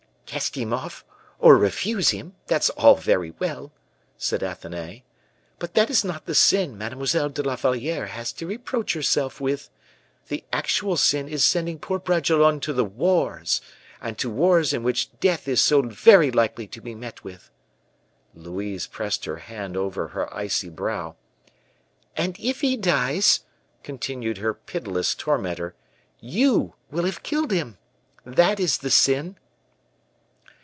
"Cast him off! or refuse him! that's all very well," said Athenais, "but that is not the sin Mademoiselle de la Valliere has to reproach herself with. The actual sin is sending poor Bragelonne to the wars; and to wars in which death is so very likely to be met with." Louise pressed her hand over her icy brow. "And if he dies," continued her pitiless tormentor, "you will have killed him. That is the sin."